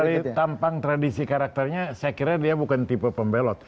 kalau dari tampang tradisi karakternya saya kira dia bukan tipe pembelot